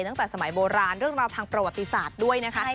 ตั้งแต่สมัยโบราณเรื่องราวทางประวัติศาสตร์ด้วยนะคะ